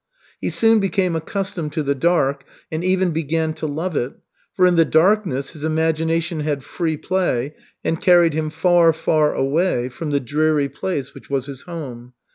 He soon became accustomed to the dark and even began to love it, for in the darkness his imagination had free play and carried him far, far away from the dreary place which was his home.